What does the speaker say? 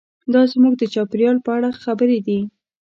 دا زموږ د چاپیریال په اړه خبرې دي.